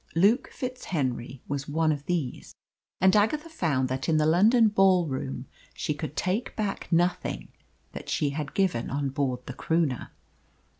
Luke FitzHenry was one of these, and Agatha found that in the London ball room she could take back nothing that she had given on board the Croonah.